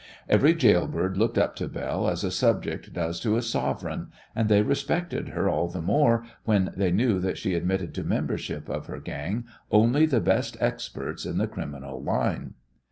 Every gaolbird looked up to Belle as a subject does to a Sovereign, and they respected her all the more when they knew that she admitted to membership of her gang only the best experts in the criminal line.